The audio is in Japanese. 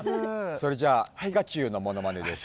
それじゃあピカチュウのモノマネです